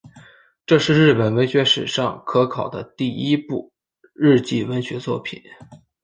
这是日本文学史上可考的第一部日记文学作品。